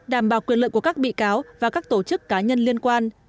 đảm bảo quyền lợi của các bị cáo và các tổ chức cá nhân liên quan